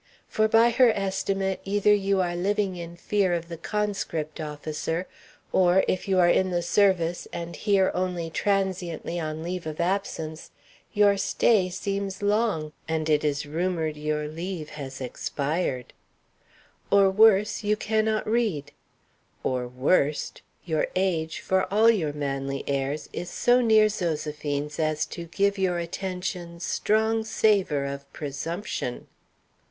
For by her estimate either you are living in fear of the conscript officer; or, if you are in the service, and here only transiently on leave of absence, your stay seems long, and it is rumored your leave has expired; or, worse, you cannot read; or, worst, your age, for all your manly airs, is so near Zoséphine's as to give your attentions strong savor of presumption.